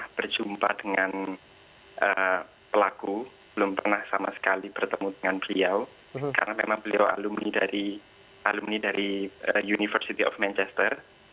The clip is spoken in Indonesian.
saya berjumpa dengan pelaku belum pernah sama sekali bertemu dengan beliau karena memang beliau alumni dari alumni dari university of manchester